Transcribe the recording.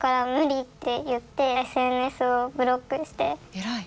偉い。